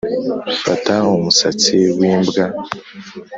fata umusatsi wimbwa